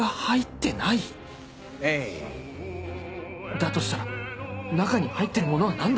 だとしたら中に入ってるものは何だ？